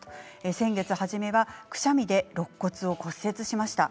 先月初めはくしゃみでろっ骨を骨折しました。